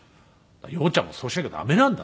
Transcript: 「洋ちゃんもそうしなきゃ駄目なんだ」と。